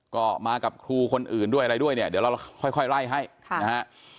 ก็มากับครูคนอื่นด้วยอะไรด้วยเนี่ยเดี๋ยวเราค่อยไล่ให้นะฮะ